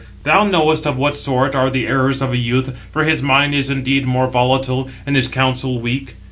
Thou knowest of what sort are the errors of a youth; for his mind is indeed more volatile, and his counsel weak.